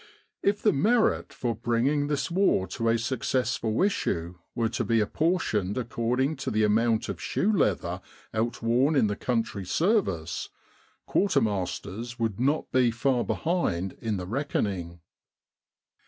If the merit for bringing this war to Egypt and the Great War a successful issue were to be apportioned according to the amount of shoe leather outworn in the country's service, quartermasters would not be far behind in the reckoning.